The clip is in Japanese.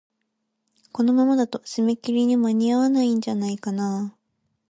このままだと、締め切りに間に合わないんじゃないかなあ。